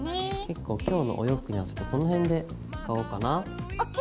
結構今日のお洋服に合わせてこの辺で使おうかな。ＯＫ！